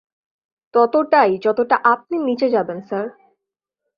ততটাই যতটা আপনি নিচে যাবেন, স্যার!